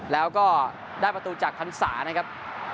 แล้วก็ได้ประตูจากพันศานะครับ